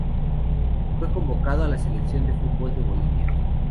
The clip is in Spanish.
Fue convocado a la Selección de fútbol de Bolivia.